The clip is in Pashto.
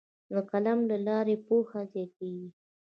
د قلم له لارې پوهه زیاتیږي.